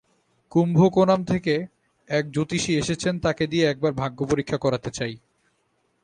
কুম্ভকোনাম থেকে এক জ্যোতিষী এসেছেন তাঁকে দিয়ে একবার ভাগ্যপরীক্ষা করাতে চাই।